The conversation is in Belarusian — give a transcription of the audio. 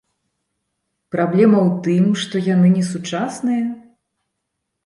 Праблема ў тым, што яны несучасныя?